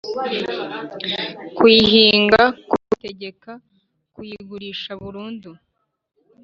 kuyihinga, kuyitegeka, kuyigurisha burundu,